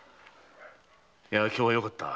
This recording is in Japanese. いや今日はよかった。